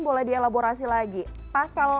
boleh dielaborasi lagi pasal